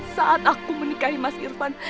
saat aku menikahi mas irfan